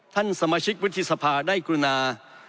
ท่านสมาชิกวิทยาศาสตร์ได้กรุณา